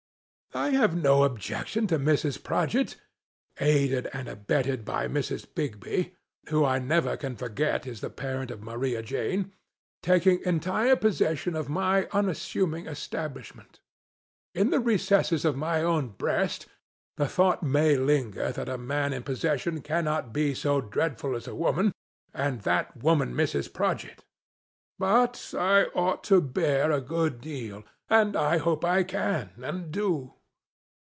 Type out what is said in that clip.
I have no objection to Mrs. Prodgit, '(aided and abetted by Mrs. Bigby, who I never can forget is the parent of Maria Jane), taking entire possession of my unassuming establish ment. In the recesses of my own breast, the thought may linger that a man in possession cannot be so dreadful as a woman, and that woman Mrs. Prodgit ; but, I ought to bear a good deal, and I hope I can} and do.